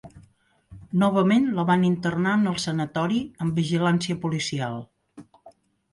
Novament la van internar en el sanatori amb vigilància policial.